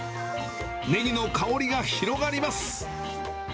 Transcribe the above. ネギの香りが広がります。